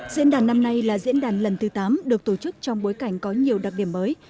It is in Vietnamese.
diễn đàn năm nay là diễn đàn lần thứ tám được tổ chức trong bối cảnh có nhiều đặc điểm mới